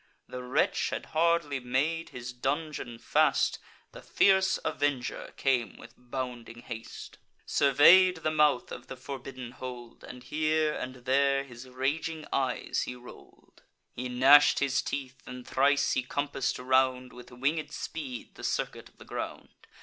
The wretch had hardly made his dungeon fast; The fierce avenger came with bounding haste; Survey'd the mouth of the forbidden hold, And here and there his raging eyes he roll'd. He gnash'd his teeth; and thrice he compass'd round With winged speed the circuit of the ground.